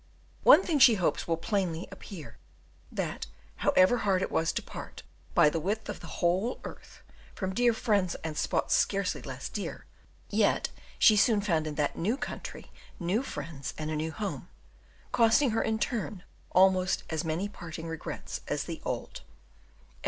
One thing she hopes will plainly appear, that, however hard it was to part, by the width of the whole earth, from dear friends and spots scarcely less dear, yet she soon found in that new country new friends and a new home; costing her in their turn almost as many parting regrets as the old.